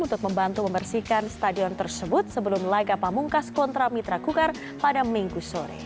untuk membantu membersihkan stadion tersebut sebelum laga pamungkas kontra mitra kukar pada minggu sore